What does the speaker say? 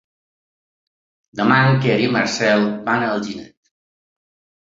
Demà en Quer i en Marcel van a Alginet.